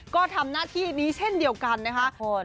ก็ทำหน้าที่นี้เช่นเดียวกันนะคะ